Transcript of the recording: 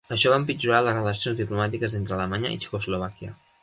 Això va empitjorar les relacions diplomàtiques entre Alemanya i Txecoslovàquia.